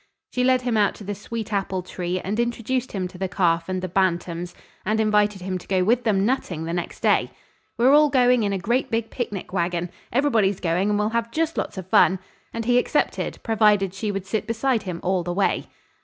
She led him out to the sweet apple tree, and introduced him to the calf and the bantams, and invited him to go with them nutting the next day. "We're all going in a great, big picnic wagon. Everybody's going and we'll have just lots of fun." And he accepted, provided she would sit beside him all the way.